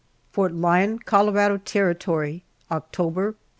FORT LYON, COLORADO TERRITORY, October, 1873.